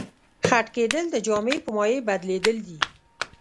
خټکېدل د جامد په مایع بدلیدل دي.